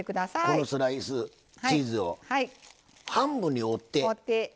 このスライスチーズを半分に折ってここへ。